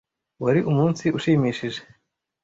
wari umunsi ushimishije.